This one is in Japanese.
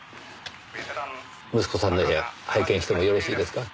息子さんの部屋拝見してもよろしいですか？